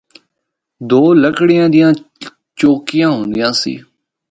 دو لکڑی دیاں چوکیاں ہوندیاں سی۔